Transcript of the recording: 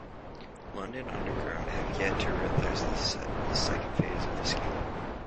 London Underground have yet to realise this second phase of the scheme.